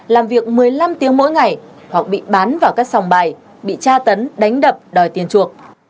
làm việc một mươi năm tiếng mỗi ngày hoặc bị bán vào các sòng bài bị tra tấn đánh đập đòi tiền chuộc